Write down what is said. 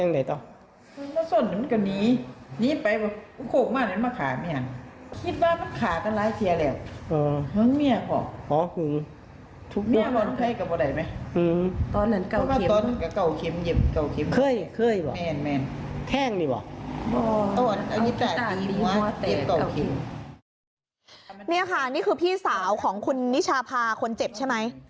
นี่ค่ะนี่คือพี่สาวของคุณนิชาพาคนเจ็บใช่ไหม